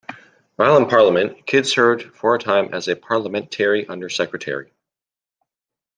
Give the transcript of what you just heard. While in Parliament, Kyd served for a time as a Parliamentary Undersecretary.